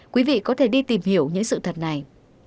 quý vị có thể đi tìm hiểu những sự thật này